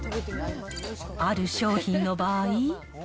ある商品の場合。